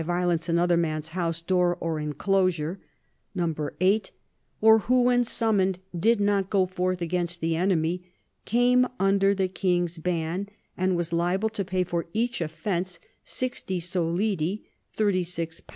323 violence another man's house, door, or enclosure ; (8) or who when summoned did not go forth against the enemy, came under the king's Ian, and w^as liable to pay for each offence sixty solidi (£36).